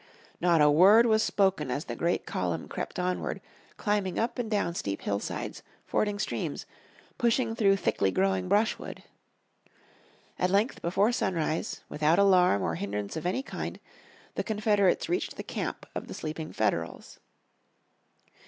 Not a word was spoken as the great column crept onward, climbing up and down steep hillsides, fording streams, pushing through thickly growing brushwood. At length before sunrise, without alarm or hindrance of any kind the Confederates reached the camp of the sleeping Federals.